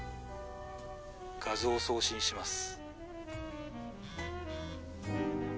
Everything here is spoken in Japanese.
画像を送信します。